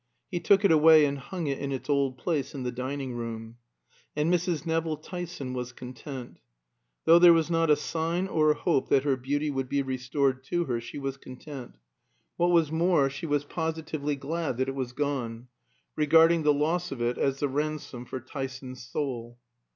He took it away and hung it in its old place in the dining room. And Mrs. Nevill Tyson was content. Though there was not a sign or a hope that her beauty would be restored to her, she was content. What was more, she was positively glad that it was gone, regarding the loss of it as the ransom for Tyson's soul.